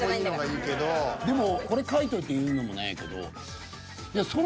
でもこれ書いといて言うのも何やけど。